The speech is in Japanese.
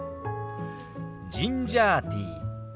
ジンジャーティー。